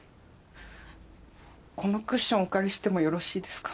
このクッションお借りしてもよろしいですか？